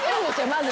まず。